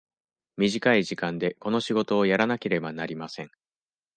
短い時間でこの仕事をやらなければなりません。